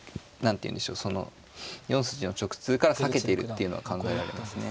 その４筋の直通から避けているっていうのは考えられますね。